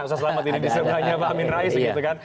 pak amin rais